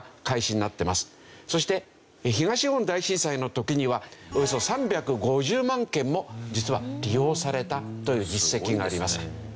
そして東日本大震災の時にはおよそ３５０万件も実は利用されたという実績があります。